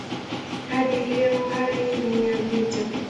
Hadi leo hali ni ya vita.